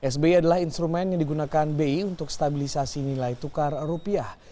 sbi adalah instrumen yang digunakan bi untuk stabilisasi nilai tukar rupiah